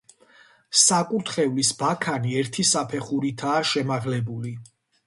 საკურთხევლის ბაქანი ერთი საფეხურითაა შემაღლებული.